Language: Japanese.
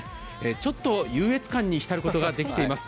ちょっと優越感に浸ることができています。